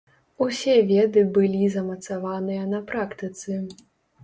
Усе веды былі замацаваныя на практыцы.